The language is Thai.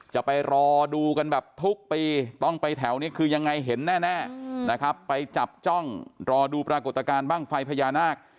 จะไปรอดูกันแบบทุกปีต้องไปแถวนี้คือยังไงเห็นแน่นะครับไปจับจ้องรอดูปรากฏการณ์บ้างไฟพญานาค